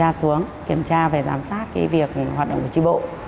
kiểm tra xuống kiểm tra về giám sát cái việc hoạt động của tri bộ